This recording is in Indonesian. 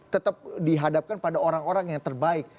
tetap dihadapkan pada orang orang yang terbaik